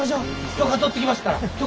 許可取ってきますから。